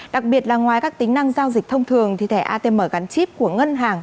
đặc biệt là ngoài các tính năng giao dịch thông thường thì thẻ atm gắn chip của ngân hàng